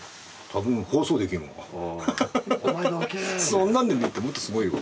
そんなんでねえってもっとすごいわ。